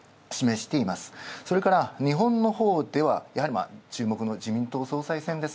それから日本のほうでは注目の自民党総裁